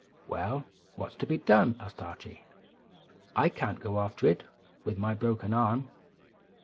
"Well, what's to be done?" asked Archie. "I can't go after it, with my broken arm."